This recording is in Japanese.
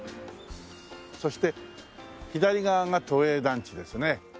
そして左側が都営団地ですね。